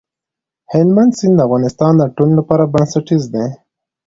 هلمند سیند د افغانستان د ټولنې لپاره بنسټيز دی.